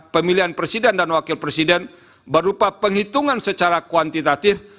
pemilihan presiden dan wakil presiden berupa penghitungan secara kuantitatif